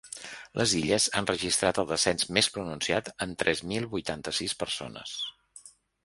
Les Illes han registrat el descens més pronunciat amb tres mil vuitanta-sis persones.